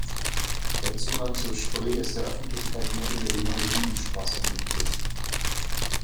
Der Zugang zur Spree ist der Öffentlichkeit nur über die Neue Jüdenstraße möglich.